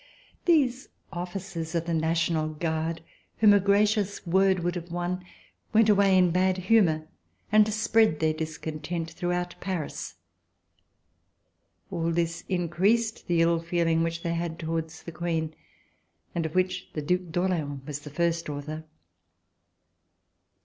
These ofllicers of the National Guard, whom a gracious word would have won, went away in bad humor and spread their discontent throughout Paris. All this increased the ill feeling which they had towards the Queen and of which the Due d'Orleans was the first author.